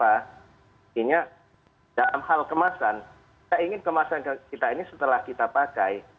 artinya dalam hal kemasan kita ingin kemasan kita ini setelah kita pakai